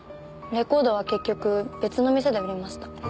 レコードは結局別の店で売りました。